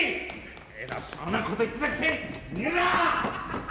偉そうなこと言ってたくせに逃げるな！